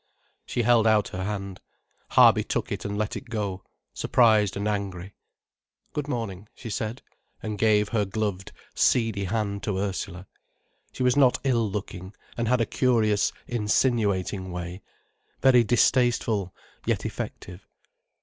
She held out her hand. Harby took it and let it go, surprised and angry. "Good morning," she said, and she gave her gloved, seedy hand to Ursula. She was not ill looking, and had a curious insinuating way, very distasteful yet effective.